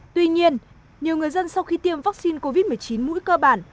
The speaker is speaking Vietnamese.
tuy nhiên nhiều người dân sau khi tiêm vaccine covid một mươi chín mũi cơ bản